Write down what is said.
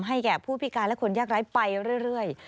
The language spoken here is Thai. แก่ผู้พิการและคนยากร้ายไปเรื่อย